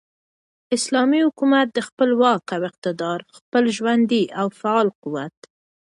اسلامي حكومت دخپل واك او اقتدار ،خپل ژوندي او فعال قوت ،